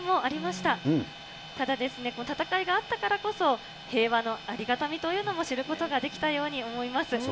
ただ、戦いがあったからこそ、平和のありがたみというのも知ることができたように思います。